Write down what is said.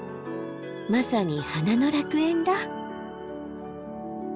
まさに花の楽園だ。